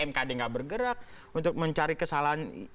mkd nggak bergerak untuk mencari kesalahan